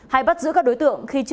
hay bắt giữ các đối tượng khi chưa có sự